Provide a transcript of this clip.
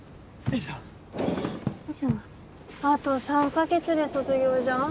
あと３か月で卒業じゃん？